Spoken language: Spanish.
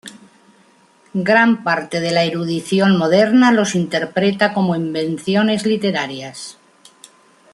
Gran parte de la erudición moderna los interpreta como invenciones literarias.